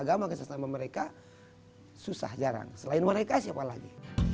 agama kesama mereka susah jarang selain mereka siapa lagi